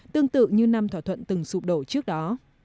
tương tự như năm thỏa thuận từng sụp đổ trước đó